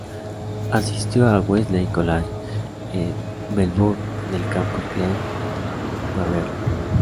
Asistió al Wesley College, en Melbourne en el campus Glen Waverley.